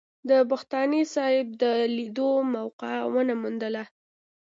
د بختاني صاحب د لیدو موقع ونه موندله.